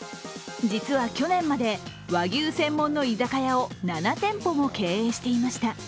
実は去年まで和牛専門の居酒屋を７店舗も経営していました。